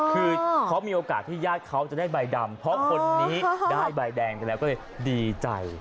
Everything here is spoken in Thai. คือเขามีโอกาสที่ญาติเขาจะได้ใบดำเพราะคนนี้ได้ใบแดงไปแล้วก็เลยดีใจ